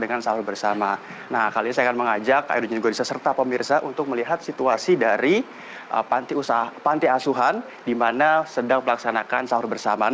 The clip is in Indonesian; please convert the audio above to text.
nah kali ini saya akan mengajak ayu dan juga bisa serta pemirsa untuk melihat situasi dari panti asuhan di mana sedang melaksanakan sahur bersamaan